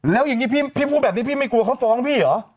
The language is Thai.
แล้วอย่างนี้พี่พูดแบบนี้พี่ไม่กลัวเขาฟ้องพี่เหรอ